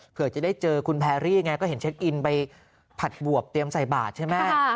เผื่อจะได้เจอคุณแพรรี่ไงก็เห็นเช็คอินไปผัดบวบเตรียมใส่บาทใช่ไหม